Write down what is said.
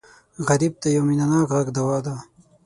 غریب ته یو مینهناک غږ دوا ده